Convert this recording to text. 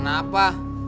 tidak ada apa apa